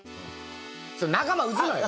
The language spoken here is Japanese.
仲間撃つなよ！